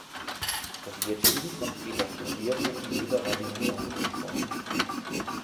Es wird viel von Privatisierung und Liberalisierung gesprochen.